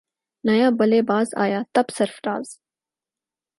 نیا بلے باز آیا تب سرفراز